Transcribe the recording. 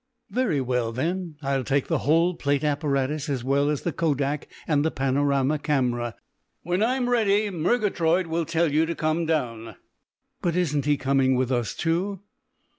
"Very well, then, I'll take the whole plate apparatus as well as the kodak and the panorama camera. When I'm ready, Murgatroyd will tell you to come down." "But isn't he coming with us too?"